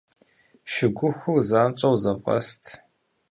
Шыгухур занщӀэу зэфӀэст.